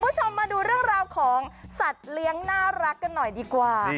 คุณผู้ชมมาดูเรื่องราวของสัตว์เลี้ยงน่ารักกันหน่อยดีกว่า